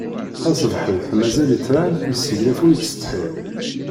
Taṣebḥit mazal itran, yesseglaf ur yettsetḥi.